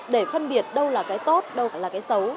để phân biệt đâu là cái tốt đâu là cái xấu